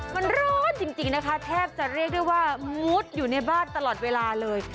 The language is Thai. มันร้อนจริงนะคะแทบจะเรียกได้ว่ามุดอยู่ในบ้านตลอดเวลาเลย